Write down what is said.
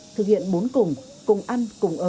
thực hiện bốn cùng cùng ăn cùng ăn